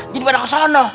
jadi pada kesana